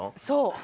そう！